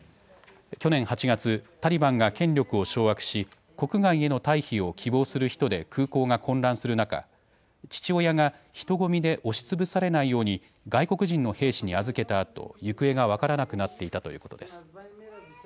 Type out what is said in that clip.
去年８月、タリバンが権力を掌握し国外への退避を希望する人で空港が混乱する中、父親が人混みで押しつぶされないように外国人の兵士に預けたあと行方が分からなくなっていたということです。